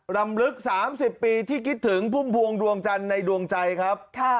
รำลึก๓๐ปีที่คิดถึงพุ่มพวงดวงจันทร์ในดวงใจครับ